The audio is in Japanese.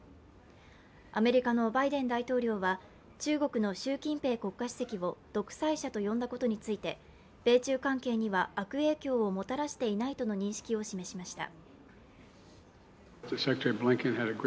アメリカのバイデン大統領は中国の習近平国家主席を独裁者と呼んだことについて、米中関係には悪影響をもたらしていないとの認識を示しました。